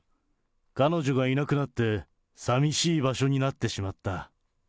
彼女がいなくなって寂しい場所になってしまった。